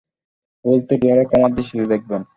ভুলত্রুটি হলে ক্ষমার দৃষ্টিতে দেখবেন।